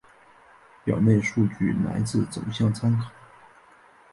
表内数据来自走向参考